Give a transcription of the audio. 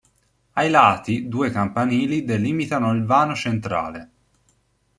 Ai lati due campanili delimitano il vano centrale.